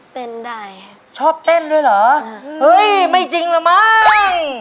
เป็นใดชอบเต้นด้วยเหรอเอ้ยไม่จริงเหรอมั้ง